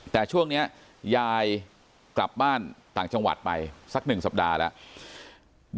แต่ช่วงนี้ยายกลับบ้านต่างจังหวัดไปสัก๑สัปดาห์แล้ว